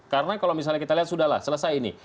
karena kalau misalnya kita lihat sudah lah selesai ini